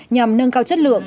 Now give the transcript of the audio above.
nhằm nâng cao chất lượng